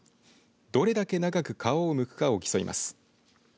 どれだけ長く皮をむくかを競います。